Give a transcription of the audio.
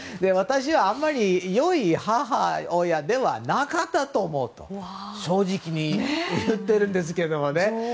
私はあまり良い母親ではなかったと思うと正直に言っているんですけどもね。